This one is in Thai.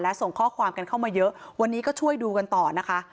และส่งข้อความกันเข้ามาเยอะวันนี้ก็ช่วยดูกันต่อนะคะ